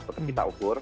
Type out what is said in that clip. tetap kita ukur